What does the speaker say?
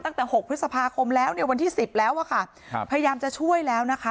ตั้งแต่๖พฤษภาคมแล้วเนี่ยวันที่๑๐แล้วอะค่ะพยายามจะช่วยแล้วนะคะ